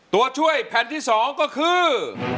ตัวช่วยแผ่นที่๒ก็คือ